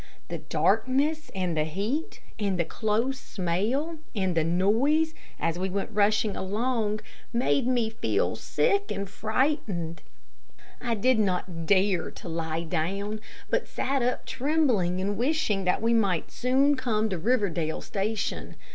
The darkness, and the heat, and the close smell, and the noise, as we went rushing along, made me feel sick and frightened. I did not dare to lie down, but sat up trembling and wishing that we might soon come to Riverdale Station.